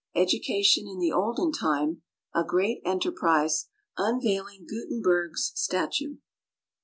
Education in the Olden Time. A Great Enterprise. Unveiling Gutenberg's Statue.